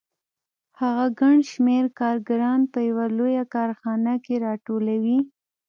هغه ګڼ شمېر کارګران په یوه لویه کارخانه کې راټولوي